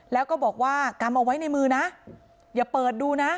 แล้วก็บอกว่ากำเอาไว้ในมือนะอย่าเปิดดูนะ